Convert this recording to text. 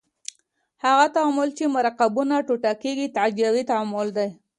هغه تعامل چې مرکبونه ټوټه کیږي تجزیوي تعامل دی.